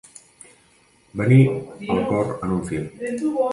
Venir el cor en un fil.